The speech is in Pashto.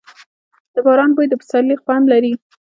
د باران بوی د پسرلي خوند لري.